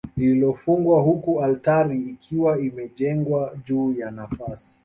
Lililofungwa huku altari ikiwa imejengwa juu ya nafasi